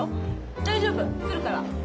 大丈夫来るから。